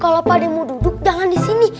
kalau pak de mau duduk jangan di sini